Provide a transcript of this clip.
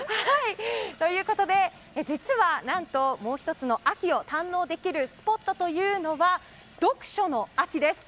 ということで、実は何ともう１つの秋を堪能できるスポットというのは読書の秋です。